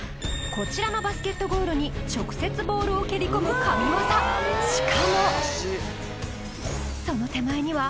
こちらのバスケットゴールに直接ボールを蹴り込む神技どうだ！